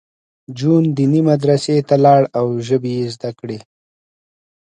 جون دیني مدرسې ته لاړ او ژبې یې زده کړې